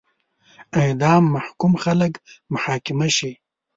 اعدام محکوم خلک محاکمه شي.